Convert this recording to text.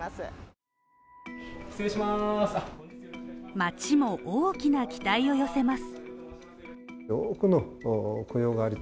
町も大きな期待を寄せます。